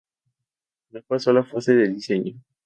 No pasó de la fase de diseño.